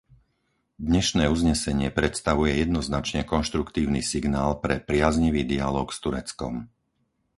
Dnešné uznesenie predstavuje jednoznačne konštruktívny signál pre priaznivý dialóg s Tureckom.